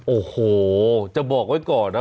โอ้โหจะบอกไว้ก่อนนะ